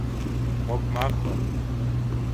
Гъуэгу махуэ!